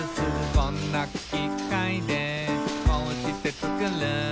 「こんな機械でこうしてつくる」